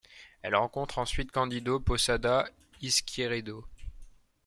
Elle rencontre ensuite Cándido Posadas Izquierdo.